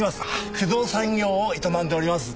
不動産業を営んでおります。